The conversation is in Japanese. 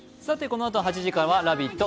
このあと８時からは「ラヴィット！」